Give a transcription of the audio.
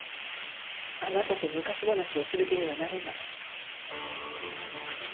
あなたと昔話をする気にはなれない。